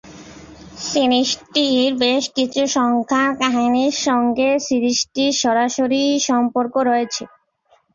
সিরিজটির বেশ কিছু সংখ্যার কাহিনীর সঙ্গে টিভি সিরিজটির সরাসরি সম্পর্ক রয়েছে।